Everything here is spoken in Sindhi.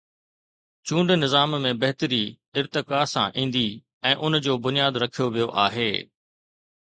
چونڊ نظام ۾ بهتري ارتقا سان ايندي ۽ ان جو بنياد رکيو ويو آهي.